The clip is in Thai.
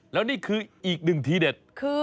แล้วนี่คืออีกหนึ่งทีเด็ดคือ